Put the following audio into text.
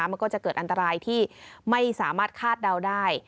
มันก็จะเกิดอันตรายที่ไม่สามารถคาดเดาได้